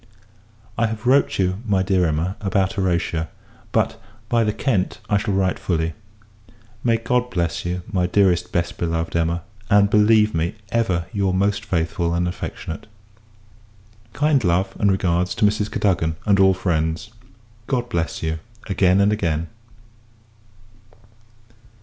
I have wrote you, my dear Emma, about Horatia; but, by the Kent, I shall write fully. May God bless you, my dearest best beloved Emma! and believe me, ever, your most faithful and affectionate Kind love, and regards, to Mrs. Cadogan, and all friends. God bless you, again and again!